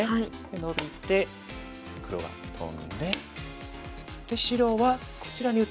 ノビて黒がトンで白はこちらに打ったんですね。